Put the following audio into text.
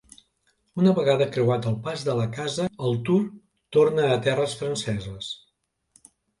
Una vegada creuat el Pas de la Casa el Tour torna a terres franceses.